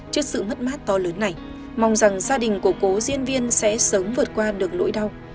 trước sự mất mát to lớn này mong rằng gia đình của cố diễn viên sẽ sớm vượt qua được nỗi đau